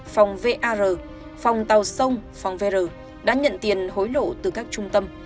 phòng var phòng tàu sông phòng vr đã nhận tiền hối lộ từ các trung tâm